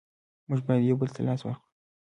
موږ باید یو بل ته لاس ورکړو.